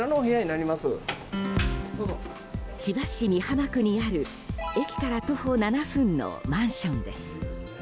千葉県美浜区にある、駅から徒歩７分のマンションです。